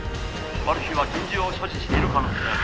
「マル被は拳銃を所持している可能性あり」